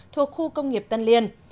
thuộc khu công nghiệp tân liên